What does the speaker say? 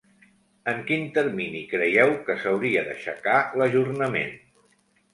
En quin termini creieu que s’hauria d’aixecar l’ajornament?